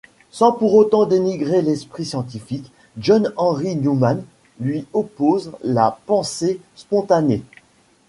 Sans pour autant dénigrer l'esprit scientifique, John Henry Newman lui oppose la pensée spontanée.